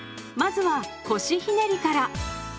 まずは「腰ひねり」から。